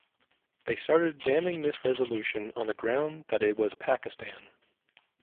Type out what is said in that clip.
They started damning this resolution on the ground that it was Pakistan.